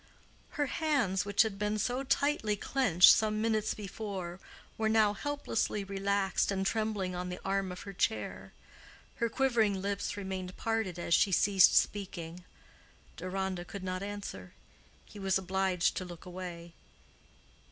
Her hands, which had been so tightly clenched some minutes before, were now helplessly relaxed and trembling on the arm of her chair. Her quivering lips remained parted as she ceased speaking. Deronda could not answer; he was obliged to look away.